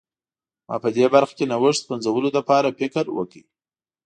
ما په دې برخه کې نوښت پنځولو لپاره فکر وکړ.